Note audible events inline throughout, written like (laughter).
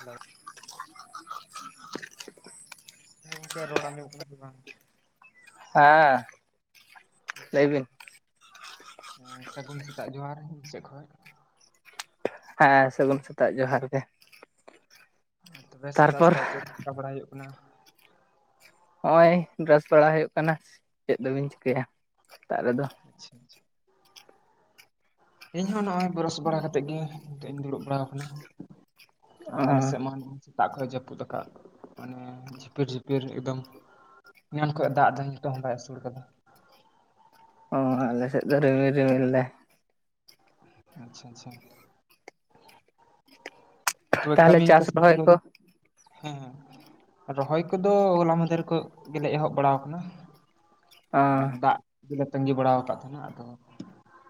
Hello ᱦᱮ ᱜᱚᱝᱠᱮ ᱨᱚᱲ ᱟᱡᱚᱢᱚᱜ ᱠᱟᱱᱟ ᱥᱮ ᱵᱟᱝ? ᱦᱮᱸ ᱞᱟᱹᱭ ᱵᱤᱱ ᱥᱟᱜᱩᱱ ᱥᱮᱛᱟᱜ ᱡᱚᱦᱟᱨ ᱤᱧ ᱥᱮᱡ ᱠᱷᱚᱡ ᱦᱮ ᱥᱟᱜᱩᱱ ᱥᱮᱛᱟᱜ ᱡᱚᱦᱟᱨ ᱜᱮ ᱟᱨ ᱛᱚᱵᱮ ᱥᱮᱛᱟᱜ ᱛᱟᱨᱯᱚᱨ ᱥᱮᱛᱟᱜ ᱪᱮᱫ ᱠᱚ ᱪᱮᱠᱟ ᱵᱟᱲᱟᱭ ᱦᱩᱭᱩᱜ ᱠᱟᱱᱟ? ᱱᱚᱜᱚᱭ ᱵᱤᱨᱟᱥ ᱵᱟᱲᱟ ᱦᱩᱭᱩᱜ ᱠᱟᱱᱟ᱾ ᱪᱮᱫ ᱫᱚᱵᱤᱱ ᱪᱤᱠᱟᱹᱭᱟ ᱥᱮᱛᱟᱜ ᱨᱮᱫᱚ? ᱪᱷᱟ ᱪᱷᱟ ᱤᱧ ᱦᱚ ᱱᱚᱜᱚᱭ ᱵᱮᱨᱟᱥ ᱵᱟᱲᱟ ᱠᱟᱛᱮᱫ ᱜᱮ ᱱᱤᱛᱚᱜ ᱫᱩᱲᱩᱵ ᱵᱟᱲᱟᱣ ᱠᱟᱱᱟ ᱟᱨ ᱟᱞᱮ ᱥᱮᱫ ᱢᱟ ᱥᱮᱛᱟᱜ ᱠᱷᱚᱱ ᱡᱟᱯᱩᱫ ᱟᱠᱟᱫ ᱢᱟᱱᱮ ᱡᱷᱤᱯᱤᱨ ᱡᱷᱤᱯᱤᱨ ᱮᱠᱫᱚᱢ ᱮᱱᱟᱱ ᱠᱷᱚᱱ ᱫᱟᱜ ᱫᱟᱭ ᱱᱤᱛᱚᱜ ᱦᱚ ᱵᱟᱭ ᱟᱹᱥᱩᱨ ᱠᱟᱫᱟ ᱚ ᱟᱞᱮ ᱥᱮᱫ ᱫᱚ ᱨᱤᱢᱤᱞ ᱨᱤᱢᱤᱞ ᱫᱟᱭ ᱟᱪᱪᱷᱟ ᱟᱪᱪᱷᱟ ᱛᱚᱵᱮ ᱛᱟᱦᱚᱞᱮ ᱠᱟᱢᱤ ᱪᱟᱥ ᱠᱟᱥᱢᱤ ᱨᱚᱦᱚᱭ ᱠᱚᱫᱚ? ᱠᱚ ᱦᱮ ᱦᱮ ᱨᱚᱦᱚᱭ ᱠᱚᱫᱚ ᱦᱚᱞᱟ ᱢᱟᱦᱫᱷᱮᱨ ᱠᱷᱚᱡ ᱜᱮᱞᱮ ᱮᱦᱚᱵ ᱵᱟᱲᱟᱣ ᱠᱟᱱᱟ᱾ ᱚ ᱢᱟᱱᱮ ᱫᱟᱜ ᱞᱮᱞᱮ ᱛᱟᱹᱜᱤ ᱵᱟᱲᱟ ᱠᱟᱫ ᱛᱟᱦᱮᱱᱟ ᱟᱫᱚ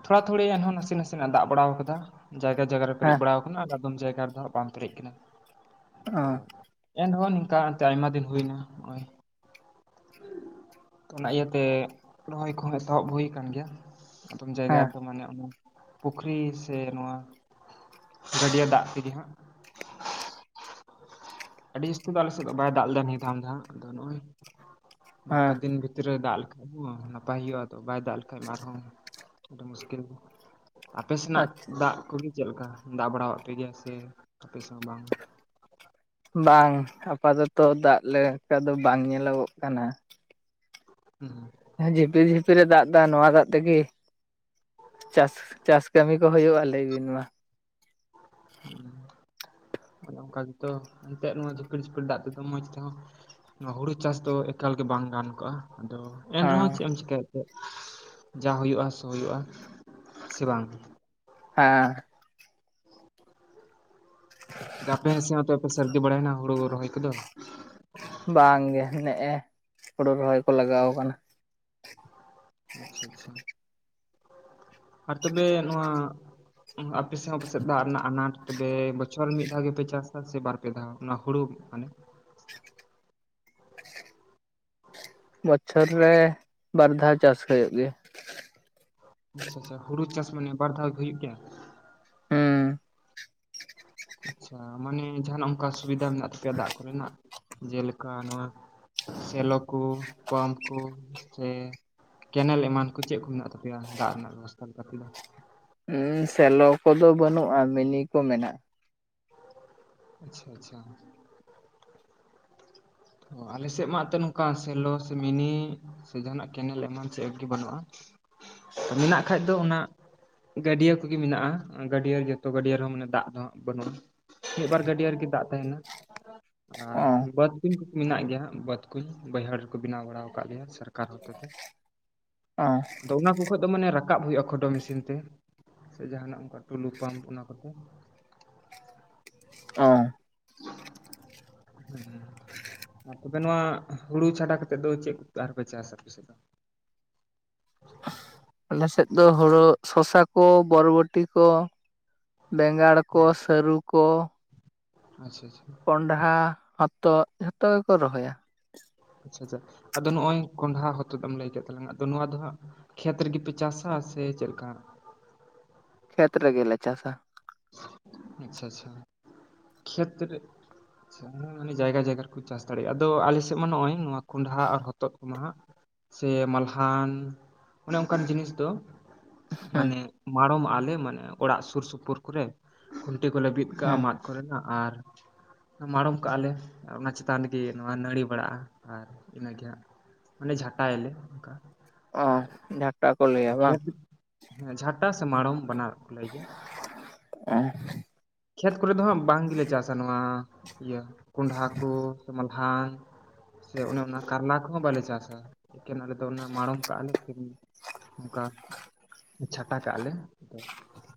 ᱛᱷᱚᱲᱟ ᱛᱷᱲᱤ ᱮᱱᱦᱚᱸ ᱱᱟᱥᱮ ᱱᱟᱥᱮ ᱱᱟᱜ ᱮ ᱫᱟᱜ ᱵᱟᱲᱟᱣ ᱠᱟᱫᱟ᱾ ᱡᱟᱭᱜᱟ ᱡᱟᱭᱜᱟ ᱨᱮ ᱯᱮᱨᱮᱡ ᱦᱮᱸ ᱵᱟᱲᱟᱣ ᱠᱟᱱᱟ ᱟᱨ ᱟᱫᱚᱢ ᱡᱟᱭᱜᱟ ᱨᱮᱫᱚ ᱵᱟᱝ ᱯᱮᱨᱮᱡ ᱠᱟᱱᱟ᱾ ᱚ ᱮᱱᱦᱚ ᱱᱤᱠᱟ ᱮᱱᱛᱮ ᱟᱭᱢᱟ ᱫᱤᱱ ᱦᱩᱭ ᱮᱱᱟ ᱱᱚᱜᱚᱭ ᱛᱚ ᱚᱱᱟ ᱤᱭᱟᱹ ᱛᱮ ᱨᱚᱦᱚᱭ ᱠᱚᱦᱚᱸ ᱮᱛᱚᱦᱚᱵ ᱦᱩᱭ ᱟᱠᱟᱱ ᱜᱮᱭᱟ ᱟᱫᱚᱢ ᱦᱮᱸ ᱡᱟᱭᱜᱟ ᱨᱮᱫᱚ ᱢᱟᱱᱮ ᱚᱱᱮ, ᱯᱩᱠᱷᱨᱤ ᱥᱮ ᱱᱚᱣᱟ ᱜᱟᱹᱰᱭᱟᱹ ᱫᱟᱜ ᱛᱮᱜᱮ ᱦᱟᱸᱜ, (unintelligible) ᱟᱹᱰᱤ ᱡᱟᱹᱥᱛᱤ ᱫᱚ ᱟᱞᱮᱥᱮᱫ ᱫᱚ ᱵᱟᱭ ᱫᱟᱜ ᱞᱮᱫᱟ ᱱᱤᱭᱟᱹ ᱫᱷᱟᱝ ᱫᱚ ᱦᱟᱜ ᱟᱫᱚ ᱱᱚᱜᱼᱚᱭ ᱵᱟᱨ ᱯᱮ ᱦᱮᱸ ᱫᱤᱱ ᱵᱷᱤᱛ ᱛᱨᱤ ᱨᱮ ᱫᱟᱜ (inaudible) ᱱᱟᱯᱟᱭ ᱦᱩᱭᱩᱜᱼᱟ ᱛᱚ ᱵᱟᱭ ᱫᱟᱜ ᱞᱮᱠᱷᱟᱡ ᱢᱟ ᱟᱨᱦᱚᱸ (inaudible) ᱢᱩᱥᱠᱤᱞ ᱜᱮ᱾ ᱟᱯᱮ ᱥᱮᱱᱟᱜ ᱟᱪᱪᱷᱟ ᱫᱟᱜ ᱠᱚᱜᱮ ᱪᱮᱫ ᱞᱮᱠᱟ ᱫᱟᱜ ᱵᱟᱲᱟᱣᱟᱜ ᱯᱮ ᱜᱮᱭᱟ ᱥᱮ ᱟᱯᱮ ᱥᱮ ᱦᱚᱸ ᱵᱟᱝ? (inaudible) ᱵᱟᱝ ᱟᱯᱟᱛᱚᱛᱚ ᱫᱟᱜ ᱞᱮᱠᱟ ᱫᱚ ᱵᱟᱝ ᱧᱮᱞᱚᱜᱚᱜ ᱠᱟᱱᱟ᱾ ᱦᱩ ᱦᱩᱸ ᱦᱮ ᱡᱷᱤᱯᱤ ᱡᱷᱤᱯᱤᱨᱮ ᱫᱟᱜ ᱫᱟ ᱱᱚᱣᱟ ᱫᱟᱜ ᱛᱮᱜᱤ᱾ ᱪᱟᱥ ᱪᱟᱥ ᱠᱟᱹᱢᱤ ᱠᱚ ᱦᱩᱭᱩᱜᱼᱟ ᱞᱟᱹᱭᱵᱤᱱ ᱢᱟ? (inaudible) ᱟᱫᱚ ᱚᱱᱠᱟ ᱜᱮ ᱛᱚ ᱮᱱᱛᱮ ᱱᱚᱣᱟ ᱡᱦᱤᱯᱤᱨ ᱡᱦᱤᱯᱤᱨ ᱫᱟᱜ ᱛᱮᱫᱚ ᱢᱚᱸᱡᱽ ᱛᱮᱦᱚᱸ, ᱱᱚᱣᱟ ᱦᱩᱲᱩ ᱪᱟᱥ ᱫᱚ ᱮᱠᱟᱞ ᱜᱮ ᱵᱟᱝ ᱜᱟᱱ ᱠᱚᱜᱼᱟ ᱟᱫᱚ, ᱦᱮᱸ ᱮᱱᱨᱮᱦᱚᱸ ᱪᱮᱜ ᱮᱢ ᱪᱤᱠᱟᱹᱭ ᱮᱜ-ᱛᱮ ᱡᱟ ᱦᱩᱭᱩᱜᱼᱟ ᱥᱳ ᱦᱩᱭᱩᱜᱼᱟ ᱥᱮ ᱵᱟᱝ? ᱦᱮᱸ (unintelligible) ᱟᱯᱮ ᱥᱮᱜᱦᱚᱛᱚ ᱟᱯᱮ ᱥᱟᱹᱨᱫᱤ ᱵᱟᱲᱟᱭᱮᱱᱟ ᱦᱩᱲᱩ ᱨᱚᱦᱚᱭ ᱠᱚᱫᱚ? ᱵᱟᱝ ᱜᱮ ᱱᱮᱜᱼᱮ ᱦᱩᱲᱩ ᱨᱚᱦᱚᱭ ᱠᱚ ᱞᱟᱜᱟᱣ ᱠᱟᱱᱟ᱾ ᱟᱪᱪᱷᱟ ᱟᱪᱪᱷᱟ, ᱟᱨ ᱛᱚᱵᱮ ᱱᱚᱣᱟ, ᱟᱯᱮᱥᱮᱜ ᱟᱯᱮᱥᱮᱜ ᱫᱟᱜ ᱨᱮᱱᱟᱜ ᱟᱱᱟᱴ ᱛᱚᱵᱮ ᱵᱚᱪᱷᱚᱨ ᱨᱮ ᱢᱤᱫ ᱫᱷᱟᱣ ᱜᱮᱯᱮ ᱪᱟᱥᱟ ᱥᱮ ᱵᱟᱨ ᱯᱮ ᱫᱦᱟᱣ ᱚᱱᱟ ᱦᱩᱲᱩ ᱢᱟᱱᱮ᱾ ᱵᱚᱪᱷᱚᱨ ᱨᱮ ᱵᱟᱨ ᱫᱷᱟᱣ ᱪᱟᱥ ᱦᱳᱭᱳᱜ ᱜᱮᱭᱟ᱾ ᱟᱪᱪᱷᱟ ᱟᱪᱷᱟ ᱦᱩᱲᱩ ᱪᱟᱥ ᱢᱟᱱᱮ ᱵᱟᱨ ᱫᱷᱟᱣ ᱜᱮ ᱦᱩᱭᱩᱜ ᱜᱮᱭᱟ᱾ ᱦᱮᱸ ᱟᱪᱪᱷᱟ ᱢᱟᱱᱮ ᱡᱟᱦᱟᱱᱟᱜ ᱚᱱᱠᱟ ᱥᱩᱵᱤᱫᱷᱟ ᱢᱮᱱᱟᱜ ᱛᱟᱯᱮᱭᱟ ᱫᱟᱜ ᱠᱚᱨᱮᱱᱟᱜ? ᱡᱮᱞᱮᱠᱟ ᱱᱚᱣᱟ ᱥᱮᱞᱚ ᱠᱩ ᱯᱟᱢᱯ ᱠᱩ ᱥᱮ ᱠᱮᱱᱮᱞ ᱮᱢᱟᱱ ᱠᱚ ᱪᱮᱜ ᱠᱩ ᱢᱮᱱᱟᱜ ᱛᱟᱯᱮᱭᱟ ᱫᱟᱜ ᱨᱮᱱᱟᱜ ᱵᱮᱵᱚᱥᱛᱷᱟ ᱞᱮᱠᱟ ᱛᱮ ᱫᱚ? ᱥᱮᱞᱚ ᱠᱚᱫᱚ ᱵᱟᱹᱱᱩᱜᱼᱟ ᱢᱤᱱᱤ ᱠᱚ ᱢᱮᱱᱟᱜᱼᱟ᱾ ᱟᱪᱪᱷᱟ ᱟᱪᱪᱷᱟ᱾ ᱚ ᱟᱞᱮ ᱥᱮᱫ ᱢᱟ ᱟᱯᱮ ᱱᱚᱝᱠᱟ ᱥᱮᱞᱚ ᱥᱮ ᱢᱤᱱᱤ, ᱥᱮ ᱡᱟᱦᱟᱱᱟᱜ ᱠᱮᱱᱮᱞ ᱮᱢᱟᱱ ᱪᱮᱜ ᱜᱮ ᱵᱟᱹᱱᱩᱜᱼᱟ ᱢᱮᱱᱟᱜ ᱠᱷᱟᱡ ᱫᱚ ᱚᱱᱟ, ᱜᱟᱹᱰᱭᱟᱹ ᱠᱩᱜᱮ ᱢᱮᱱᱟᱜᱼᱟ ᱜᱟᱹᱰᱭᱟᱹ ᱡᱚᱛᱚ ᱜᱟᱹᱰᱭᱟᱹ ᱨᱮᱦᱚᱸ ᱢᱟᱱᱮ ᱫᱟᱜ ᱫᱚ ᱦᱟᱜ ᱵᱟᱹᱱᱩᱜᱼᱟ᱾ ᱢᱤᱜ ᱵᱟᱨ ᱜᱟᱹᱰᱭᱟᱹ ᱨᱮᱜᱤ ᱫᱟᱜ ᱛᱟᱦᱮᱱᱟ ᱟᱨ ᱚ ᱵᱟᱫᱽ, (unintelligible) ᱢᱮᱱᱟᱜ ᱜᱮᱭᱟ ᱵᱟᱹᱫᱽ ᱠᱩ ᱵᱟᱹᱭᱦᱟᱹᱲ ᱨᱮ ᱠᱩ ᱵᱮᱱᱟᱣ ᱵᱟᱲᱟ ᱟᱠᱟᱜ ᱜᱮᱭᱟ ᱥᱚᱨᱠᱟᱨ ᱦᱚᱛᱮ ᱛᱮ᱾ ᱟ (unintelligible) ᱠᱩ ᱠᱷᱚᱡ ᱫᱚ ᱢᱟᱱᱮ ᱨᱟᱠᱟᱵ ᱦᱩᱭᱩᱜᱼᱟ ᱠᱷᱚᱰᱚ ᱢᱮᱥᱤᱱ ᱛᱮ᱾ ᱥᱮ ᱡᱟᱦᱟᱱᱟᱜ ᱚᱱᱠᱟ ᱴᱩᱞᱩ ᱯᱟᱢᱯ ᱚᱱᱟ ᱠᱚᱛᱮ? ᱚ ᱦᱩ ᱟᱨ ᱛᱚᱵᱮ ᱱᱚᱣᱟ ᱦᱩᱲᱩ ᱪᱷᱟᱰᱟ ᱠᱟᱛᱮᱫ ᱫᱚ ᱪᱮᱜ ᱠᱚ ᱟᱨᱯᱮ ᱪᱟᱥᱟ ᱯᱮᱥᱮᱜ ᱫᱚ? ᱟᱞᱮ ᱥᱮᱜ ᱫᱚ ᱦᱳᱲᱳ ᱥᱚᱥᱟ ᱠᱚ ᱵᱚᱨᱵᱚᱴᱤ ᱠᱚ ᱵᱮᱸᱜᱟᱲ, ᱠᱚ ᱥᱟᱹᱨᱩ ᱠᱚ, ᱟᱪᱪᱷᱟ ᱪᱷᱟ᱾ ᱠᱚᱱᱰᱦᱟ ᱦᱚᱛᱚᱫ ᱡᱷᱚᱛᱚ ᱜᱮᱠᱚ ᱨᱚᱦᱚᱭᱟ᱾ ᱟᱪᱪᱷᱟ ᱟᱪᱪᱷᱟ ᱟᱫᱚ ᱱᱚᱜᱼᱚᱭ ᱠᱚᱸᱰᱦᱟ ᱦᱚᱛᱚᱫ ᱮᱢ ᱞᱟᱹᱭ ᱠᱮᱫ ᱛᱟᱞᱟᱝᱟ ᱟᱫᱚ ᱱᱚᱣᱟ ᱫᱚ ᱦᱟᱸᱜ᱾ ᱠᱷᱮᱛ ᱨᱮᱜᱮᱯᱮ ᱪᱟᱥᱟ ᱥᱮ ᱪᱮᱫ ᱞᱮᱠᱟ᱾ ᱠᱷᱮᱛ ᱨᱮ ᱜᱮᱞᱮ ᱪᱟᱥᱟ᱾ ᱟᱪᱪᱷᱟ ᱟᱪᱪᱷᱟ᱾ ᱠᱷᱮᱛ ᱨᱮ (unintelligible) ᱡᱟᱭᱜᱟ ᱡᱟᱭᱜᱟ ᱨᱮᱠᱚ ᱪᱟᱥ ᱫᱟᱲᱮᱭᱟᱜ-ᱟ, ᱟᱫᱚ ᱟᱞᱮᱥᱮᱫ ᱢᱟ ᱱᱚᱜ-ᱚᱭ ᱱᱚᱣᱟ᱾ ᱠᱚᱸᱰᱦᱟ ᱟᱨ ᱦᱚᱛᱚᱫ ᱠᱚᱢᱟ ᱦᱟᱸᱜ ᱥᱮ ᱢᱟᱞᱦᱟᱱ ᱚᱱᱮ ᱚᱱᱠᱟᱱ ᱡᱤᱱᱤᱥ ᱫᱚ᱾ ᱦᱩᱸ ᱢᱟᱱᱮ ᱢᱟᱲᱚᱢᱟᱜ ᱟᱞᱮ ᱢᱟᱱᱮ ᱚᱲᱟᱜ ᱥᱩᱨ ᱥᱩᱯᱩᱨ ᱠᱚᱨᱮ ᱠᱷᱩᱱᱴᱤ ᱠᱚᱞᱮ ᱵᱤᱫ ᱠᱟᱜ-ᱟ ᱦᱩᱸ ᱢᱟᱫ᱾ ᱠᱚᱨᱮᱱᱟᱜ ᱟᱨ᱾ ᱢᱟᱲᱚᱢ ᱠᱟᱜ-ᱟᱞᱮ ᱟᱨ ᱚᱱᱟ ᱪᱮᱛᱟᱱ ᱨᱮᱜᱮ ᱱᱚᱣᱟ ᱱᱟᱹᱲᱤ ᱵᱟᱲᱟᱜ-ᱟ ᱟᱨ ᱤᱱᱟᱹᱜᱮ ᱦᱟᱸᱜ᱾ ᱢᱟᱱᱮ ᱡᱷᱟᱴᱟ ᱮ ᱞᱮ ᱚᱱᱠᱟ᱾ ᱚ ᱟᱫᱚ ᱡᱷᱟᱴᱟ ᱠᱚ ᱞᱟᱹᱭᱟ ᱵᱟᱝ᱾ ᱠᱷᱮᱛ ᱦᱮᱸ ᱡᱷᱟᱴᱟ ᱥᱮ ᱢᱟᱲᱚᱢ ᱵᱟᱱᱟᱨ ᱠᱚ ᱞᱟᱹᱭ ᱜᱮᱭ᱾ ᱚ ᱠᱷᱮᱛ ᱠᱚᱨᱮ ᱫᱚ ᱦᱟᱸᱜ ᱵᱟᱝ ᱜᱮᱞᱮ ᱪᱟᱥᱟ ᱱᱚᱣᱟ ᱤᱭᱟᱹ ᱠᱚᱸᱱᱰᱦᱟ ᱠᱚ ᱢᱟᱞᱦᱟᱱ᱾ ᱥᱮ ᱚᱱᱮ ᱚᱱᱟ ᱠᱟᱨᱞᱟ ᱠᱚᱦᱚᱸ ᱵᱟᱞᱮ ᱪᱟᱥᱟ ᱮᱠᱮᱱ ᱟᱞᱮ ᱫᱚ ᱚᱱᱟ ᱢᱟᱲᱚᱢ ᱠᱟᱜ-ᱟ ᱞᱮ ᱥᱮ᱾ ᱚᱱᱠᱟ ᱪᱷᱟᱛᱟ ᱠᱟᱜ-ᱟ ᱞᱮ᱾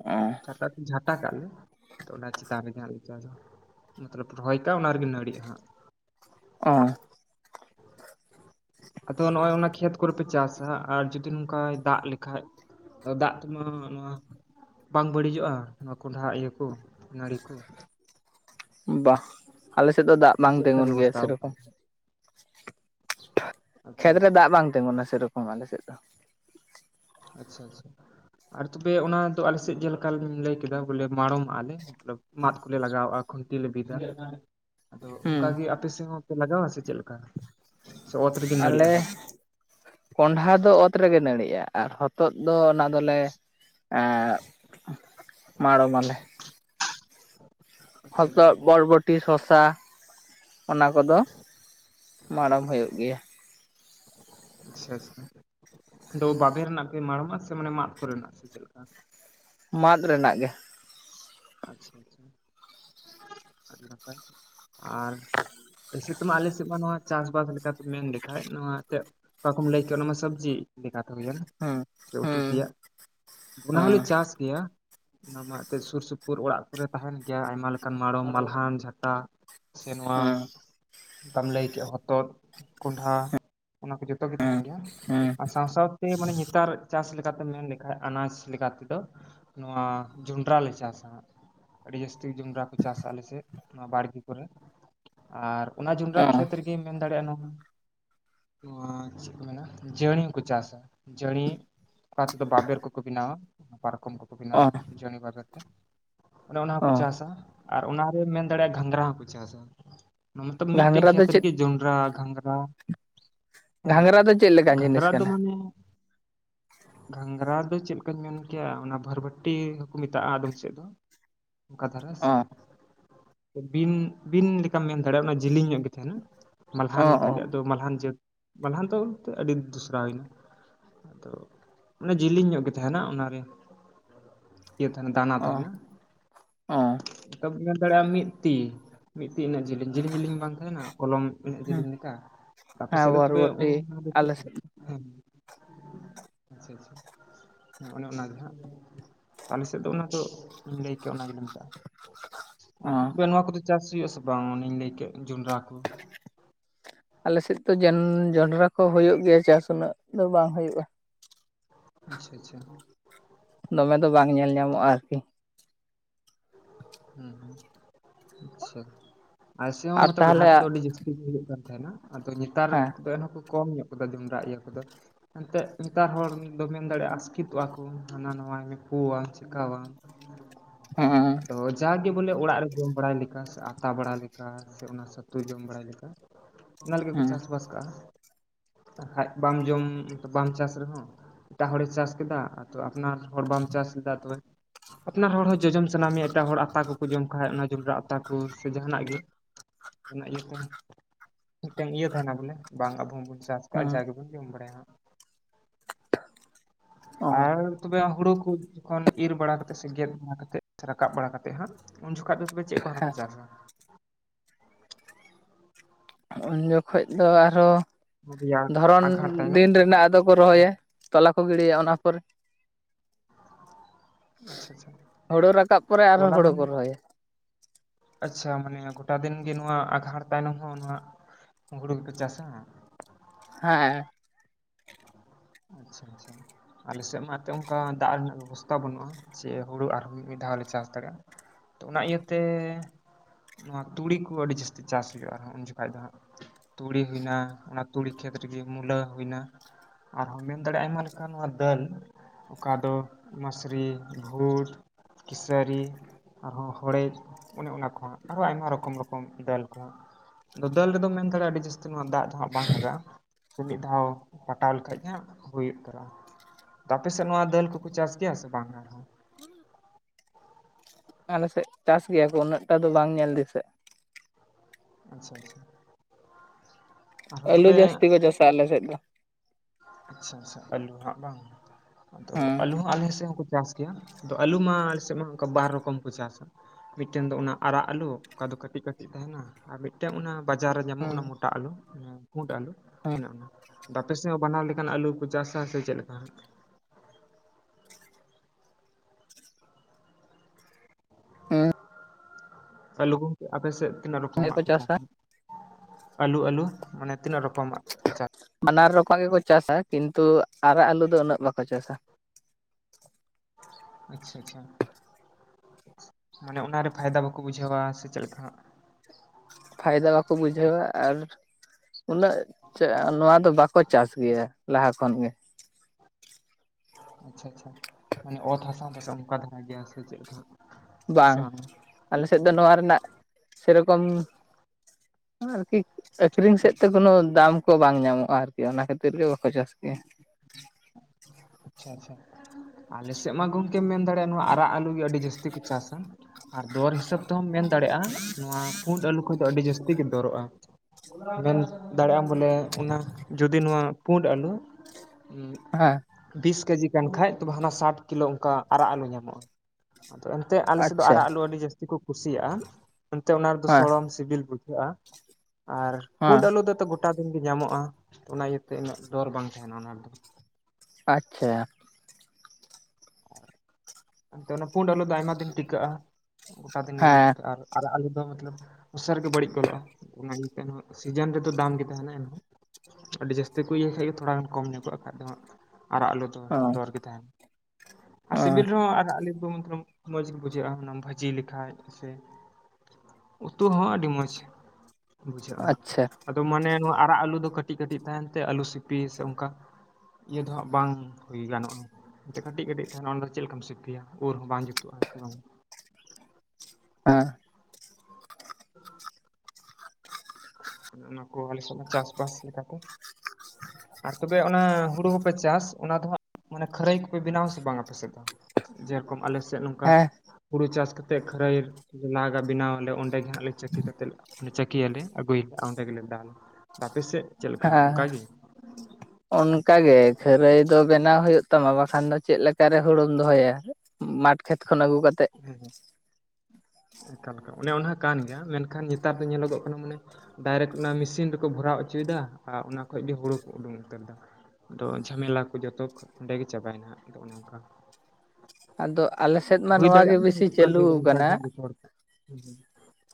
ᱚ (unintelligible) ᱡᱷᱟᱴᱟ ᱠᱟᱜ ᱟᱞᱮ᱾ ᱟᱫᱚ ᱚᱱᱟ ᱪᱮᱛᱟᱱ ᱨᱮ ᱜᱮ ᱦᱟᱸᱜ ᱞᱮ ᱪᱟᱥᱟ ᱢᱚᱛᱞᱚᱵ ᱨᱚᱦᱚᱭ ᱠᱟᱜ-ᱟ ᱚᱱᱟ ᱨᱮᱜᱮ ᱱᱟᱹᱲᱤᱜ-ᱟ ᱦᱟᱸᱜ᱾ ᱚ ᱟᱫᱚ ᱱᱚᱜ-ᱚᱭ ᱚᱱᱟ ᱠᱷᱮᱛ ᱠᱚᱨᱮᱯᱮ ᱪᱟᱥᱟ ᱟᱨ ᱡᱩᱫᱤ ᱱᱚᱝᱠᱟᱭ ᱫᱟᱜ ᱞᱮᱠᱷᱟᱡ᱾ ᱫᱟᱜ ᱛᱮᱢᱟ ᱱᱚᱣᱟ᱾ ᱵᱟᱝ ᱵᱟᱹᱲᱤᱡᱚᱜᱼᱟ ᱱᱚᱣᱟ ᱠᱚᱸᱰᱦᱟ ᱤᱭᱟᱹ ᱠᱚ ᱱᱟᱹᱲᱤ ᱠᱚᱼᱼ ᱵᱟ ᱟᱞᱮᱥᱮᱫ ᱫᱚ ᱫᱟᱜ ᱵᱟᱝ ᱪᱮᱫ ᱞᱮᱠᱟ ᱛᱤᱸᱜᱩᱱ ᱜᱮᱭᱟ ᱵᱮᱵᱚᱥᱛᱷᱟ ᱟᱠᱟᱜᱼᱟ ᱥᱮᱨᱚᱠᱚᱢ᱾ ᱟᱪᱪᱷᱟ ᱠᱷᱮᱛ ᱨᱮ ᱟᱪᱪᱷᱟ ᱫᱟᱜ ᱵᱟᱝ ᱛᱤᱸᱜᱩᱱᱟ ᱥᱮᱨᱚᱠᱚᱢ ᱟᱞᱮᱥᱮᱫ ᱫᱚ᱾ ᱟᱪᱪᱷᱟ ᱟᱪᱪᱷᱟ ᱟᱨ ᱛᱚᱵᱮ ᱚᱱᱟ ᱫᱚ ᱟᱞᱮᱥᱮᱫ ᱡᱮᱞᱮᱠᱟ ᱞᱤᱧ ᱞᱟᱹᱭ ᱠᱮᱫᱟ ᱵᱚᱞᱮ ᱢᱟᱲᱚᱢᱟᱜ ᱟᱞᱮ᱾ ᱢᱚᱛᱞᱚᱵ ᱢᱟᱫ ᱠᱚᱞᱮ ᱞᱟᱜᱟᱣᱟᱜ-ᱟ ᱠᱷᱩᱱᱴᱤ ᱞᱮ ᱵᱤᱫᱟ᱾ ᱟᱫᱚ ᱦᱩᱸ ᱚᱱᱠᱟᱜᱮ ᱟᱯᱮ ᱥᱮᱫ ᱦᱚᱸᱯᱮ ᱞᱟᱜᱟᱣᱟ ᱥᱮ ᱪᱮᱫᱞᱮᱠᱟ᱾ ᱟᱞᱮᱼᱼ ᱠᱚᱸᱱᱰᱷᱟ ᱫᱚ ᱚᱛ ᱨᱮᱜᱮ ᱱᱟᱹᱲᱤᱜ-ᱟ ᱟᱨ ᱦᱚᱛᱚᱫ ᱫᱚ ᱚᱱᱟ ᱫᱚᱞᱮ᱾ ᱮ ᱢᱟᱲᱚᱢᱟᱞᱮ᱾ ᱟᱪᱪᱷᱟ ᱦᱚᱛᱚᱜ ᱵᱚᱨ (unintelligible) ᱯᱩᱴᱤ ᱥᱚᱥᱟ ᱚᱱᱟ ᱚᱱᱟ ᱠᱚᱫᱚ ᱢᱟᱲᱚᱢ ᱦᱩᱭᱩᱜ ᱜᱮᱭᱟ᱾ (inaudible) ᱟᱪᱪᱷᱟ ᱟᱪᱪᱷᱟ ᱟᱫᱚ ᱵᱟᱵᱮᱨ ᱨᱮᱱᱟᱜ ᱯᱮ ᱢᱟᱲᱚᱢᱟᱜ-ᱟ ᱥᱮ ᱢᱟᱱᱮ ᱢᱟᱫ ᱠᱚᱨᱮᱱᱟᱜ ᱥᱮ ᱪᱮᱫᱞᱮᱠᱟ᱾ ᱢᱟᱫ ᱨᱮᱱᱟᱜ ᱜᱮ᱾ ᱟᱪᱪᱷᱟ ᱟᱪᱪᱷᱟ ᱟᱹᱰᱤ ᱱᱟᱯᱟᱭ ᱟᱨᱼᱼ ᱥᱮᱛᱩᱢᱟ ᱟᱞᱮ ᱥᱮᱫ ᱢᱟ ᱱᱚᱣᱟ ᱪᱟᱥᱵᱟᱥ ᱞᱮᱠᱟᱛᱮ ᱢᱮᱱ ᱞᱮᱠᱷᱟᱡ ᱱᱚᱣᱟ ᱛᱮᱫ᱾ ᱚᱠᱟ ᱠᱚᱢ ᱞᱟᱹᱭ (unintelligible) ᱥᱚᱵᱽᱡᱤ ᱞᱮᱠᱟᱛᱮ ᱦᱩᱭᱮᱱ ᱦᱩᱸ ᱥᱮ ᱩᱛᱩ ᱦᱩᱸ ᱛᱮᱭᱟᱜ᱾ ᱚᱱᱟ ᱦᱩᱸ ᱦᱚᱸᱞᱮ ᱪᱟᱥ ᱜᱮᱭᱟ ᱚᱱᱟ ᱢᱟ ᱮᱱᱛᱮᱫ ᱥᱩᱨ ᱥᱩ᱾ ᱯᱩᱨ ᱚᱲᱟᱜ ᱠᱚᱨᱮ ᱛᱟᱦᱮᱱ ᱜᱮᱭᱟ ᱟᱭᱢᱟ ᱞᱮᱠᱟᱱ ᱢᱟᱲᱚᱢ ᱢᱟᱞᱦᱟᱱ ᱡᱷᱟᱴᱟᱜ ᱥᱮ ᱱᱚᱣᱟ᱾ ᱦᱩᱸ ᱚᱱᱠᱟᱢ ᱞᱟᱹᱭ ᱠᱮᱜ-ᱟ ᱦᱚᱛᱚᱫ ᱠᱚᱸᱰᱷᱟ ᱚᱱᱟ ᱠᱚ ᱡᱚᱛᱚ ᱜᱮ ᱛᱟᱦᱮᱱ ᱜᱮᱭᱟ᱾ ᱦᱩᱸ ᱟᱨ ᱥᱟᱶ ᱥᱟᱶᱛᱮ ᱢᱟᱱᱮ ᱱᱮᱛᱟᱨ ᱪᱟᱥ ᱞᱮᱠᱟᱛᱮᱢ ᱢᱮᱱ ᱞᱮᱠᱷᱟ ᱟᱱᱟᱥ ᱞᱮᱠᱟ ᱛᱮᱫᱚ᱾ ᱱᱚᱣᱟ ᱡᱚᱸᱰᱨᱟ ᱞᱮ ᱪᱟᱥᱟ᱾ ᱟᱹᱰᱤ ᱡᱟᱹᱥᱛᱤ ᱡᱚᱱᱰᱨᱟ ᱠᱚ ᱪᱟᱥᱟ ᱟᱞᱮᱥᱮᱫ ᱱᱚᱣᱟ ᱵᱟᱲᱜᱮ ᱠᱚᱨᱮ᱾ ᱟᱨ ᱚᱱᱟ ᱡᱚᱸᱰᱨᱟ ᱚ ᱠᱷᱮᱛ ᱨᱮᱜᱮᱢ ᱢᱮᱱ ᱫᱟᱲᱮᱭᱟᱜᱼᱟ ᱱᱚᱣᱟᱼᱼ ᱚ ᱪᱮᱫ ᱠᱚ ᱢᱮᱱᱟ ᱡᱟᱹᱲᱤ ᱠᱚ ᱪᱟᱥᱟ ᱡᱟᱹᱲᱤ ᱚᱠᱟ ᱛᱮᱫᱚ ᱵᱟᱵᱮᱨ ᱠᱚᱠᱚ ᱵᱮᱱᱟᱣᱟ ᱯᱟᱨᱠᱚᱢ ᱠᱚᱠᱚ ᱚ ᱵᱮᱱᱟᱣᱟ ᱡᱚᱱᱤ ᱵᱟᱵᱮᱨ ᱛᱮ ᱚᱱᱮ ᱚᱱᱟ ᱚ ᱦᱚᱸᱠᱚ ᱪᱟᱥᱟ ᱟᱨ ᱚᱱᱟᱨᱮᱢ ᱢᱮᱱ ᱫᱟᱲᱮᱭᱟᱜᱼᱟ ᱜᱷᱟᱸᱜᱨᱟ ᱦᱚᱸ ᱠᱚ ᱪᱟᱥᱟ ᱢᱚᱛᱚᱵ ᱢᱤᱫᱴᱮᱱ ᱜᱷᱟᱸᱝᱨᱟ ᱫᱚ ᱠᱷᱮᱛ ᱪᱮᱫ ᱨᱮᱜᱮ ᱡᱚᱱᱰᱨᱟ ᱜᱷᱟᱸᱜᱽᱨᱟᱼᱼ ᱦᱮᱸ ᱜᱷᱟᱸᱝᱨᱟ ᱫᱚ ᱪᱮᱫ ᱞᱮᱠᱟᱱ ᱡᱤᱱᱤᱥ ᱜᱷᱟᱸᱜᱨᱟ ᱫᱚ ᱠᱟᱱᱟ ᱢᱟᱱᱮᱼᱼ ᱜᱷᱟᱸᱝᱨᱟ ᱫᱚ ᱪᱮᱫ ᱞᱮᱠᱟᱧ ᱢᱮᱱ ᱠᱮᱭᱟ ᱚᱱᱟ ᱵᱷᱚᱨᱵᱟᱹᱴᱤ ᱦᱚᱸᱠᱚ ᱢᱮᱛᱟᱜᱼᱟ ᱟᱫᱚᱢ ᱥᱮᱫ ᱫᱚ ᱚᱱᱠᱟ ᱫᱷᱟᱨᱟ ᱥᱮ ᱚ ᱵᱤᱱ ᱵᱤᱱ ᱞᱮᱠᱟᱢ ᱢᱮᱱ ᱫᱟᱲᱮᱭᱟᱜᱼᱟ ᱚᱱᱟ ᱡᱮᱞᱮᱧ ᱧᱚᱜ ᱜᱮ ᱛᱟᱦᱮᱱᱟ ᱢᱟᱞᱦᱟᱱ ᱚ ᱞᱮᱠᱟ ᱚ ᱜᱮ ᱟᱫᱚ ᱢᱟᱞᱦᱟᱱ ᱡᱟᱹᱛ ᱢᱟᱞᱦᱟᱱ ᱫᱚ ᱟᱹᱰᱤ ᱫᱚᱥᱨᱟᱣ ᱦᱩᱭ ᱮᱱᱟ ᱟᱫᱚ ᱚᱱᱮ ᱡᱮᱞᱮᱧ ᱧᱚᱜ ᱜᱮ ᱛᱟᱦᱮᱱᱟ ᱚᱱᱟ ᱨᱮ ᱤᱭᱟᱹ ᱛᱟᱦᱮᱱᱟ ᱫᱟᱱᱟ ᱛᱟᱦᱮᱱᱟ᱾ ᱚᱸ (inaudible) ᱫᱟᱲᱮᱭᱟᱜᱼᱟ ᱢᱤᱫ ᱛᱤ ᱢᱤᱫ ᱛᱤ ᱨᱮᱱᱟᱜ ᱡᱤᱱᱤᱥ ᱡᱮᱞᱤᱧ ᱡᱮᱞᱤᱧ ᱵᱟᱝ ᱛᱟᱦᱮᱱᱟ ᱠᱚᱞᱚᱢ ᱡᱤᱞᱤᱧ ᱞᱮᱠᱟ ᱟᱯᱮ ᱦᱮᱸ ᱥᱮᱫ ᱨᱮ ᱛᱚᱵᱮ ᱵᱚᱨᱵᱚᱴᱤ ᱟᱞᱮ ᱥᱮᱫ (unintelligible) ᱦᱮᱸ ᱟᱪᱪᱷᱟ ᱟᱪᱪᱷᱟ ᱚᱱᱮ ᱚᱱᱟ ᱜᱮ ᱦᱟᱸᱜ ᱟᱞᱮ ᱥᱮᱫ ᱫᱚ ᱚᱱᱟ ᱫᱚ ᱞᱟᱹᱭ ᱠᱮᱜᱼᱟ ᱚᱱᱟ ᱜᱮᱞᱮ ᱢᱮᱛᱟᱜᱼᱟ ᱚ (unintelligible) ᱱᱚᱣᱟ ᱠᱚᱫᱚ ᱪᱟᱥ ᱦᱩᱭᱩᱜ ᱟᱥᱮ ᱵᱟᱝ ᱟᱱᱮᱧ ᱞᱟᱹᱭ ᱠᱮᱫ ᱡᱚᱸᱰᱽᱨᱟ ᱠᱚ ᱟᱞᱮ ᱥᱮᱫ ᱫᱚ ᱡᱚᱱᱰᱨᱟ ᱠᱚ ᱦᱩᱭᱩᱜ ᱜᱮᱭᱟ ᱪᱟᱥ ᱩᱱᱟᱹᱜ ᱫᱚ ᱵᱟᱝ ᱦᱩᱭᱩᱜᱼᱟ᱾ ᱟᱪᱪᱷᱟ ᱟᱪᱪᱷᱟ᱾ ᱫᱚᱢᱮ ᱫᱚ ᱵᱟᱝ ᱧᱮᱞ ᱧᱟᱢᱚᱜᱼᱟ ᱟᱨᱠᱤ᱾ (unintelligible) ᱦᱩᱸ ᱟᱨ ᱛᱟᱦᱚᱞᱮ ᱟᱪᱪᱷᱟ (inaudible) ᱦᱩᱭᱩᱜ ᱠᱟᱱ ᱛᱟᱦᱮᱸᱱᱟ ᱟᱫᱚ ᱱᱮᱛᱟᱨ ᱦᱮᱸ ᱫᱚ ᱮᱱ ᱠᱚ ᱠᱚᱢ ᱧᱚᱜ (unintelligible) ᱤᱭᱟᱹ ᱠᱚᱫᱚ᱾ ᱮᱱᱛᱮᱜ ᱱᱮᱛᱟᱨ ᱦᱚᱲ ᱫᱚᱢ ᱢᱮᱱ ᱫᱟᱲᱮᱭᱟᱜᱼᱟ ᱟᱥᱠᱮᱛᱚᱜᱼᱟ ᱠᱚ ᱦᱟᱱᱟ ᱱᱟᱣᱟᱭ ᱢᱮ ᱯᱳᱣᱟ ᱪᱮᱠᱟᱹᱣᱟᱢ᱾ ᱦᱮᱸ ᱛᱚ ᱡᱟᱜᱮ ᱵᱚᱞᱮ ᱚᱲᱟᱜ ᱨᱮ ᱡᱚᱢ ᱵᱟᱲᱟᱭ ᱞᱮᱠᱟ ᱥᱮ ᱟᱛᱟ ᱵᱟᱲᱟ ᱞᱮᱠᱟ ᱥᱮ ᱚᱱᱟ ᱪᱟᱹᱛᱩ ᱡᱚᱢ ᱵᱟᱲᱟᱭ ᱞᱮᱠᱟ᱾ (inaudible) ᱚᱱᱟ ᱞᱟᱹᱜᱤᱫ ᱠᱚ ᱪᱟᱥ ᱵᱟᱥ ᱠᱟᱜᱼᱟ ᱵᱟᱠᱷᱟᱡ ᱵᱟᱢ ᱡᱚᱢ ᱵᱟᱢ ᱪᱟᱥ ᱨᱮ ᱦᱚᱸ ᱮᱴᱟᱜ ᱦᱚᱲᱮ ᱪᱟᱥ ᱠᱮᱫᱟ ᱟᱯᱱᱟᱨ ᱦᱚᱲ ᱵᱟᱢ ᱪᱟᱥ ᱞᱮᱫᱟ ᱛᱚᱵᱮ ᱟᱯᱱᱟᱨ ᱦᱚᱲ ᱦᱚᱸ ᱡᱚᱡᱚᱢ ᱥᱟᱱᱟ ᱢᱮᱭᱟ ᱮᱴᱟᱜ ᱦᱚᱲ ᱟᱛᱟ ᱠᱚ᱾ ᱡᱚᱢ ᱠᱷᱟᱡ ᱚᱱᱟ ᱡᱚᱰᱨᱟ ᱟᱛᱟ ᱠᱚ ᱥᱮ ᱡᱟᱦᱟᱱᱟᱜ ᱜᱮ ᱚᱱᱟ ᱤᱭᱟᱹ ᱛᱮ ᱢᱤᱫᱴᱮᱱ ᱤᱭᱟᱹ ᱛᱟᱦᱮᱱᱟ ᱵᱚᱞᱮ ᱵᱟᱝ ᱟᱵᱚ ᱦᱚᱸ ᱵᱚᱱ (inaudible) ᱦᱮᱸ ᱡᱟᱜᱮᱵᱚᱱ ᱡᱚᱢ ᱵᱟᱲᱟᱭ ᱚ ᱟᱨ ᱛᱚᱵᱮ ᱦᱩᱲᱩ ᱠᱚ ᱡᱚᱠᱷᱚᱱ ᱤᱨ ᱵᱟᱲᱟ ᱠᱟᱛᱮ ᱥᱮ ᱜᱮᱫ ᱵᱟᱲᱟ ᱠᱟᱛᱮ ᱥᱮ ᱨᱟᱠᱟᱵ ᱵᱟᱲᱟ ᱠᱟᱛᱮ ᱦᱟᱸᱜ ᱩᱱ ᱡᱚᱠᱷᱟᱜ ᱫᱚ ᱛᱚᱵᱮ ᱪᱮᱫ ᱠᱚ ᱦᱚᱨᱟᱯᱮ ᱦᱮᱸ ᱪᱟᱥᱟ᱾ ᱩᱱ ᱡᱚᱠᱷᱚᱡ ᱫᱚ ᱟᱨᱦᱚ ᱨᱮᱭᱟᱲ ᱫᱷᱚᱨᱚᱱ ᱟᱸᱜᱷᱟᱲ ᱛᱟᱭᱱᱚᱢ ᱫᱤᱱ ᱨᱮᱱᱟᱜ ᱟᱫᱚ ᱠᱚ ᱨᱚᱦᱚᱭᱟ ᱛᱚᱞᱟ ᱠᱚ ᱜᱤᱲᱤᱭᱟ ᱚᱱᱟ ᱯᱚᱨᱮ᱾ ᱟᱪᱪᱷᱟ ᱟᱪᱪᱷᱟ ᱦᱩᱲᱩ ᱨᱟᱠᱟᱵ ᱯᱚᱨᱮ ᱟᱨᱦᱚᱸ ᱛᱚᱞᱟ ᱦᱩᱲᱩ ᱠᱚ ᱢᱟᱱᱮ ᱨᱚᱦᱚᱭᱟ᱾ ᱟᱪᱪᱷᱟ ᱢᱟᱱᱮ ᱜᱚᱴᱟ ᱫᱤᱱ ᱜᱮ ᱱᱚᱣᱟ ᱟᱜᱷᱟᱲ ᱛᱟᱭᱱᱚᱢ ᱦᱚᱸ ᱱᱚᱣᱟ (unintelligible) ᱪᱟᱥᱟ᱾ ᱦᱮᱸ ᱟᱪᱪᱷᱟ ᱟᱪᱪᱷᱟ ᱟᱞᱮ ᱥᱮᱫ ᱢᱟ ᱮᱱᱛᱮᱫ ᱚᱱᱠᱟ ᱫᱟᱜ ᱨᱮᱱᱟᱜ ᱵᱮᱵᱚᱥᱛᱟ ᱵᱟᱹᱱᱩᱜᱼᱟ᱾ (unintelligible) ᱦᱩᱲᱩ ᱟᱨᱦᱚᱸ ᱢᱤᱫ ᱢᱤᱫ ᱫᱷᱟᱣ ᱞᱮ ᱪᱟᱥ ᱫᱟᱲᱮᱭᱟᱜᱼᱟ ᱛᱚ ᱚᱱᱟ ᱤᱭᱟᱹ ᱛᱮ ᱱᱚᱣᱟ ᱛᱩᱲᱤ ᱠᱚ ᱟᱹᱰᱤ ᱡᱟᱹᱥᱛᱤ ᱪᱟᱥ ᱦᱩᱭᱩᱜᱼᱟ ᱟᱨᱦᱚᱸ ᱩᱱ ᱡᱚᱠᱷᱟᱡ ᱫᱚ ᱦᱟᱸᱜ᱾ ᱛᱩᱲᱤ ᱦᱩᱭᱱᱟ ᱚᱱᱟ ᱛᱩᱲᱤ ᱠᱷᱮᱛ ᱨᱮᱜᱮ ᱢᱩᱞᱟᱹ ᱦᱩᱭᱱᱟ᱾ ᱟᱨᱦᱚᱸ ᱢᱮᱱ ᱫᱟᱲᱮᱭᱟᱜᱼᱟ ᱟᱭᱢᱟ ᱞᱮᱠᱟᱱ ᱱᱚᱣᱟ ᱫᱟᱹᱞ ᱚᱠᱟ ᱫᱚ ᱢᱟᱥᱨᱤ ᱵᱷᱩᱴ ᱠᱤᱥᱟᱹᱨᱤ ᱟᱨᱦᱚᱸ ᱦᱚᱲᱮᱡ ᱚᱱᱮ ᱚᱱᱟ ᱠᱚᱦᱚᱸ ᱟᱨᱦᱚᱸ ᱟᱭᱢᱟ ᱨᱚᱠᱚᱢ ᱨᱚᱠᱚᱢ ᱫᱟᱹᱞ ᱠᱚ ᱦᱚᱜ᱾ ᱟᱫᱚ ᱫᱟᱹᱞ ᱨᱮᱫᱚ ᱢᱮᱱ ᱫᱟᱲᱼᱟ ᱟᱹᱰᱤ ᱡᱟᱹᱥᱛᱤ ᱱᱚᱣᱟ ᱫᱟᱜ ᱫᱚ ᱦᱟᱜ ᱵᱟᱝ ᱞᱟᱜᱟᱜᱼᱟ, ᱥᱮ ᱢᱤᱫ ᱫᱷᱟᱣ ᱯᱟᱴᱟᱣ ᱞᱮᱠᱷᱟᱡ -ᱦᱟᱜ ᱦᱩᱭ ᱩᱛᱟᱹᱨᱚᱜ-ᱟ ᱟᱫᱚ ᱟᱯᱮᱥᱮᱫ ᱱᱚᱣᱟ ᱫᱟᱹᱞ ᱠᱚᱠᱚ ᱪᱟᱥ ᱜᱮᱭᱟ ᱥᱮ ᱵᱟᱝ ᱟᱨᱦᱚᱸ? ᱟᱞᱮᱥᱮᱫ ᱪᱟᱥ ᱜᱮᱭᱟ ᱠᱚ ᱩᱱᱟᱹᱜ ᱴᱟ ᱫᱚ ᱵᱟᱝ ᱧᱮᱞ ᱫᱤ ᱥᱮᱜ ᱟᱪᱪᱷᱟ ᱟᱪᱪᱷᱟ ᱟᱨᱦᱚᱸ ᱟᱞᱩ ᱛᱚᱵᱮ ᱡᱟᱹᱥᱛᱤ ᱠᱚ ᱪᱟᱥᱟ ᱟᱞᱮ ᱥᱮᱜ ᱫᱚ᱾ ᱟᱪᱪᱷᱟ ᱟᱪᱪᱷᱟ ᱟᱹᱞᱩ ᱦᱟᱸᱜ ᱵᱟᱝ᱾ ᱟᱫᱚ ᱦᱮᱸ ᱟᱞᱩ ᱦᱚᱸ ᱟᱞᱮ ᱥᱮᱫ ᱦᱚᱸᱠᱚ ᱪᱟᱥ ᱜᱮᱭᱟ ᱟᱫᱚ ᱟᱹᱞᱩ ᱢᱟ ᱟᱞᱮᱥᱮᱫ ᱢᱟ ᱚᱱᱠᱟ ᱵᱟᱨ ᱨᱚᱠᱚᱢ᱾ ᱪᱟᱥᱟ ᱢᱤᱫᱴᱮᱱ ᱫᱚ ᱚᱱᱟ ᱟᱨᱟᱜ ᱟᱹᱞᱩ ᱚᱠᱟ ᱫᱚ ᱠᱟᱹᱴᱤᱡ ᱠᱟᱹᱴᱤᱡ ᱛᱟᱦᱮᱱᱟ ᱟᱨ ᱢᱤᱫᱴᱮᱱ ᱚᱱᱟ ᱵᱟᱡᱟᱨ ᱨᱮ ᱧᱟᱢᱚᱜ ᱦᱮᱸ ᱚᱱᱟ ᱢᱚᱴᱟ ᱟᱹᱞᱩ ᱯᱩᱸᱰ ᱟᱹᱞᱩ ᱦᱮᱸ ᱚᱱᱮ ᱚᱱᱟ᱾ ᱟᱯᱮᱥᱮᱜ ᱦᱚᱸ ᱵᱟᱱᱟᱨ ᱞᱮᱠᱟᱱ ᱟᱹᱞᱩ ᱠᱚ ᱪᱟᱥᱟ ᱥᱮ ᱪᱮᱫ ᱞᱮᱠᱟ ᱦᱟᱜ᱾ ᱦᱩᱸ ᱟᱹᱞᱩ ᱜᱚᱢᱠᱮ ᱟᱯᱮᱥᱮᱫ ᱛᱤᱱᱟᱹᱜ ᱨᱚᱠᱚᱢᱟᱜ ᱠᱚ ᱪᱟᱥᱟ ᱟᱹᱞᱩ ᱟᱹᱞᱩ ᱢᱟᱱᱮ ᱛᱤᱱᱟᱹᱜ ᱨᱚᱠᱚᱢᱟᱜ? ᱠᱚ (unintelligible) ᱪᱟᱥᱟ ᱵᱟᱱᱟᱨ ᱨᱚᱠᱚᱢᱟᱜ ᱜᱮᱠᱚ ᱪᱟᱥᱟ ᱠᱤᱱᱛᱩ ᱟᱨᱟᱜ ᱟᱹᱞᱩ ᱫᱚ ᱩᱱᱟᱹᱜ ᱵᱟᱠᱚ ᱪᱟᱥᱟ ᱾ ᱟᱪᱪᱷᱟ ᱟᱪᱪᱷᱟ ᱾ ᱢᱟᱱᱮ ᱚᱱᱟᱨᱮ ᱯᱷᱟᱭᱫᱟ ᱵᱟᱠᱚ ᱵᱩᱡᱷᱟᱹᱣᱟ, ᱥᱮ ᱪᱮᱫ ᱞᱮᱠᱟ ᱦᱟᱸᱜ? ᱯᱷᱟᱭᱫᱟ ᱵᱟᱠᱚ ᱵᱩᱡᱷᱟᱹᱣᱟ ᱟᱨ ᱩᱱᱟᱹᱜ ᱪ ᱱᱚᱣᱟ ᱾ ᱫᱚ ᱵᱟᱠᱚ ᱪᱟᱥ ᱜᱮᱭᱟ ᱞᱟᱦᱟ ᱠᱷᱚᱱ ᱜᱮ᱾ ᱟᱪᱪᱷᱟ ᱟᱪᱪᱷᱟ ᱢᱟᱱᱮ ᱚᱛ ᱦᱟᱥᱟ ᱦᱚᱸ ᱚᱝᱠᱟ ᱫᱷᱟᱨᱟ ᱜᱮᱭᱟ, ᱥᱮ ᱪᱮᱫ ᱦᱟᱸᱜ? ᱵᱟᱝ ᱟᱞᱮᱥᱮᱫ ᱫᱚ ᱱᱚᱣᱟ ᱨᱮᱱᱟᱜ ᱥᱮᱨᱚᱠᱚᱢ (unintelligible) ᱟᱨᱠᱤ ᱾ ᱟᱠᱷᱨᱤᱧ ᱥᱮᱫᱛᱮ ᱠᱳᱱᱚ ᱫᱟᱢ ᱠᱚ ᱵᱟᱝ ᱧᱟᱢᱚᱜᱼᱟ ᱟᱨᱠᱤ ᱚᱱᱟ ᱠᱷᱟᱹᱛᱤᱨ ᱜᱮ ᱵᱟᱠᱚ ᱪᱟᱥ ᱜᱮᱭᱟ᱾ (inaudible) ᱟᱪᱷᱟ ᱟᱪᱷᱟ ᱟᱞᱮ ᱥᱮᱫ ᱢᱟ ᱜᱚᱝᱠᱮᱢ ᱢᱮᱱ ᱫᱟᱲ ᱱᱚᱣᱟ ᱟᱨᱟᱜ ᱟᱹᱞᱩ ᱜᱮ ᱟᱹᱰᱤ ᱡᱟᱹᱥᱛᱤ ᱠᱚ ᱪᱟᱥᱟ ᱟᱨ ᱫᱚᱨ ᱦᱤᱥᱟᱹᱵ ᱛᱮᱦᱚᱸ ᱢᱮᱱ ᱫᱟᱲᱮᱭᱟᱜᱼᱟ ᱱᱚᱣᱟ ᱯᱩᱸᱰ ᱟᱹᱞᱩ ᱠᱚ ᱫᱚ ᱟᱹᱰᱤ ᱡᱟᱹᱥᱛᱤ ᱜᱮ ᱫᱚᱨᱚᱜᱼᱟ ᱾ ᱢᱮᱱ ᱫᱟᱲᱮᱭᱟᱜ ᱟᱢ ᱵᱚᱞᱮ ᱚᱱᱟ ᱡᱩᱫᱤ ᱱᱚᱣᱟ ᱯᱩᱰ ᱟᱹᱞᱩ ᱾ ᱦᱮᱸ (unintelligible) ᱵᱤᱥ ᱠᱮᱡᱤ ᱠᱟᱱ ᱠᱷᱟᱡ ᱛᱚᱵᱮ ᱦᱟᱱᱟ ᱥᱟᱴ ᱠᱤᱞᱳ ᱚᱱᱠᱟ ᱟᱨᱟᱜ ᱟᱞᱚ ᱧᱟᱢᱚᱜᱼᱟ᱾ ᱟᱫᱚ ᱮᱱᱛᱮ ᱟᱞᱮᱥᱮᱫ ᱫᱚ ᱟᱪᱪᱷᱟ ᱟᱨᱟᱜ ᱟᱹᱞᱩ ᱟᱹᱰᱤ ᱡᱟᱹᱥᱛᱤ ᱠᱚ ᱠᱩᱥᱤᱭᱟᱜᱼᱟ ᱮᱱᱛᱮ ᱚᱱᱟ ᱨᱮᱫᱚ ᱦᱮᱸ ᱥᱚᱲᱚᱢ ᱥᱤᱵᱤᱞ ᱵᱩᱡᱷᱟᱹᱜᱼᱟ᱾ ᱤᱭᱟᱹ-ᱟ ᱟᱨ ᱯᱩᱸᱰ ᱦᱮᱸ ᱟᱹᱞᱩ ᱫᱚᱛᱚ ᱜᱚᱴᱟ ᱫᱤᱱ ᱜᱮ ᱧᱟᱢᱚᱜᱼᱟ ᱚᱱᱟ ᱤᱭᱟᱹᱛᱮ ᱩᱱᱟᱹᱜ ᱫᱚᱨ ᱵᱟᱝ ᱛᱟᱦᱮᱱᱟ ᱚᱱᱟ ᱫᱚ ᱾ ᱟᱪᱪᱷᱟ ᱾ ᱮᱱᱛᱮ ᱚᱱᱟ ᱯᱩᱸᱰ ᱟᱹᱞᱚ ᱫᱚ ᱟᱭᱢᱟ ᱫᱤᱱ ᱴᱤᱠᱟᱹᱜᱼᱟ ᱜᱚᱴᱟ ᱫᱤᱱ ᱧᱟᱢᱚᱜ ᱦᱮᱸ ᱛᱮ ᱟᱨ ᱟᱨᱟᱜ ᱟᱹᱞᱩ ᱫᱚ ᱢᱚᱛᱞᱚᱵ ᱩᱥᱟᱹᱨᱜᱮ ᱵᱟᱹᱲᱤᱡ ᱜᱚᱞᱚᱜᱼᱟ ᱚᱱᱟ ᱤᱭᱟᱹᱛᱮ ᱮᱱᱦᱚ ᱥᱤᱡᱤᱱ ᱨᱮᱫᱚ ᱫᱟᱢ ᱜᱮ ᱛᱟᱦᱮᱱᱟ ᱮᱱᱦᱚᱸ᱾ ᱟᱹᱰᱤ ᱡᱟᱹᱥᱛᱤ ᱠᱚ ᱤᱭᱟᱹᱭ ᱠᱷᱟᱡ ᱜᱮ ᱛᱷᱚᱲᱟ ᱜᱟᱱ ᱠᱚᱢ ᱧᱚᱜᱚᱜᱼᱟ ᱟᱨ ᱠᱷᱟᱡ ᱫᱚ ᱦᱟᱜ ᱟᱨᱟᱜ ᱟᱹᱞᱚ ᱫᱚ ᱦᱮᱸ ᱫᱚᱨ ᱜᱮ ᱛᱟᱦᱮᱱᱟ ᱾ ᱟᱨ ᱥᱤᱵᱤᱞ ᱦᱮᱸ ᱨᱮᱦᱚᱸ ᱟᱨᱟᱜ ᱟᱹᱞᱩ ᱢᱚᱛᱞᱚᱵ ᱢᱚᱸᱡᱽ ᱜᱮ ᱵᱩᱡᱷᱟᱹᱜᱼᱟ ᱚᱱᱟᱢ ᱵᱷᱟᱹᱡᱤ ᱞᱮᱠᱷᱟᱡ ᱥᱮ᱾ ᱩᱛᱩ ᱦᱚᱸ ᱟᱹᱰᱤ ᱢᱚᱡᱽ ᱵᱩᱡᱷᱟᱹᱜᱼᱟ ᱦᱟᱸᱜ ᱟᱪᱪᱷᱟ ᱾ ᱛᱚ ᱢᱟᱱᱮ ᱱᱚᱣᱟ ᱟᱨᱟᱜ ᱟᱞᱩ ᱫᱚ ᱠᱟᱹᱴᱤᱡ-ᱠᱟᱹᱴᱤᱡ ᱛᱟᱦᱮᱱ ᱛᱮ ᱟᱹᱞᱩ ᱥᱤᱯᱤ ᱥᱮ ᱚᱱᱠᱟ ᱤᱭᱟᱹ ᱫᱚ ᱦᱟᱸᱜ ᱵᱟᱝ ᱦᱩᱭ ᱜᱟᱱᱚᱜᱼᱟ᱾ ᱮᱱᱛᱮ ᱠᱟᱹᱴᱤᱡ ᱠᱟᱹᱴᱤᱡ ᱛᱟᱦᱮᱱᱟ ᱚᱸᱰᱮ ᱫᱚ ᱪᱮᱫ ᱞᱮᱠᱟᱢ ᱥᱤᱯᱤᱭᱟ ᱩᱨ ᱦᱚᱸ ᱵᱟᱝ ᱡᱩᱛᱩᱜᱼᱟ᱾ ᱥᱮ ᱵᱟᱝ? ᱦᱮᱸ ᱾ (inaudible) ᱚᱱᱟ ᱠᱚ ᱟᱞᱮ ᱥᱮᱜ ᱢᱟ ᱪᱟᱥ ᱵᱟᱥ ᱞᱮᱠᱟ ᱠᱚ᱾ ᱟᱨ ᱛᱚᱵᱮ ᱚᱱᱟ ᱦᱩᱲᱩ ᱦᱚᱸᱯᱮ ᱪᱟᱥ ᱚᱱᱟ ᱫᱚ ᱦᱟᱸᱜ ᱢᱟᱱᱮ ᱠᱷᱟᱹᱨᱟᱹᱭ ᱠᱚᱯᱮ ᱵᱮᱱᱟᱣᱟ ᱥᱮ ᱵᱟᱝ ᱟᱯᱮ ᱥᱮᱫ ᱫᱚ? ᱡᱮᱨᱚᱠᱚᱢ ᱟᱞᱮ ᱥᱮᱫ ᱱᱚᱝᱠᱟ ᱦᱮᱸ ᱦᱩᱲᱩ ᱪᱟᱥ ᱠᱟᱛᱮᱫ ᱠᱷᱟᱹᱨᱟᱹᱭ ᱵᱮᱱᱟᱣ ᱜᱟ ᱵᱮᱱᱟᱣ ᱟᱞᱮ ᱚᱸᱰᱮ ᱡᱟᱸᱦᱟ ᱟᱞᱮ ᱪᱟᱹᱠᱤ ᱠᱟᱛᱮᱫ ᱪᱟᱹᱠᱤᱭᱟᱞᱮ ᱟᱹᱜᱩᱭᱟᱞᱮ ᱚᱸᱰᱮ ᱜᱮᱞᱮ ᱫᱟᱞ ᱟᱯᱮ ᱥᱮᱫ ᱪᱮᱫ ᱞᱮᱠᱟ ᱦᱮᱸ ᱚᱱᱠᱟ ᱦᱮᱸ ᱜᱮ ᱾ ᱚᱱᱠᱟ ᱜᱮ ᱠᱷᱟᱹᱨᱟᱹᱭ ᱫᱚ ᱵᱮᱱᱟᱣ ᱦᱩᱭᱩᱜ ᱛᱟᱢᱟ ᱵᱟᱠᱷᱟᱱ ᱫᱚ ᱪᱮᱫ ᱞᱮᱠᱟ ᱨᱮ ᱦᱩᱲᱩᱢ ᱫᱚᱦᱚᱭᱟ ᱢᱟᱴᱷ ᱠᱷᱮᱛ ᱠᱷᱚᱱ ᱟᱹᱜᱩ ᱠᱟᱛᱮᱫ ᱾ ᱦᱮᱸ, ᱮᱱᱠᱟ ᱞᱮᱠᱟ ᱚᱱᱮ ᱚᱱᱟ ᱦᱚᱸ ᱠᱟᱱ ᱜᱮᱭᱟ ᱢᱮᱱᱠᱷᱟᱱ ᱧᱮᱛᱟᱨ ᱫᱚ ᱧᱮᱞᱚᱜᱚᱜ ᱠᱟᱱᱟ ᱢᱟᱱᱮ ᱰᱟᱭᱨᱮᱠᱴ ᱚᱱᱟ ᱢᱮᱥᱤᱱ ᱨᱮᱠᱚ ᱵᱷᱚᱨᱟᱣ ᱦᱚᱪᱚᱭᱮᱫᱟ ᱟᱨ ᱚᱱᱟ ᱠᱷᱚᱡ ᱜᱮ ᱦᱩᱲᱩ ᱠᱚ ᱩᱰᱩᱝ ᱩᱛᱟᱹᱨᱮᱫᱟ ᱾ ᱟᱫᱚ ᱡᱷᱟᱢᱮᱞᱟ ᱠᱚ ᱡᱚᱛᱚ ᱚᱸᱰᱮ ᱜᱮ ᱪᱟᱵᱟᱭᱮᱱᱟ ᱟᱫᱚ ᱚᱱᱮ ᱚᱱᱠᱟ ᱾ ᱟᱫᱚ ᱟᱞᱮ ᱥᱮᱫ ᱢᱟ ᱦᱩᱭ ᱱᱚᱣᱟ ᱜᱮ ᱫᱟᱲᱮᱭᱟᱜᱼᱟ ᱵᱮᱥᱤ ᱦᱤᱡᱩᱜ ᱠᱟᱱ ᱪᱟᱹᱞᱩ ᱫᱤᱱ ᱨᱮ ᱚᱱᱠᱟ ᱟᱠᱟᱱᱟ ᱦᱟᱸᱜ ᱡᱚᱛᱚ ᱦᱚᱲ (inaudible)